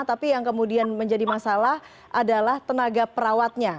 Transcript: tapi yang kemudian menjadi masalah adalah tenaga perawatnya